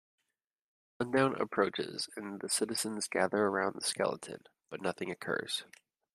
Sundown approaches and the citizens gather around the skeleton, but nothing occurs.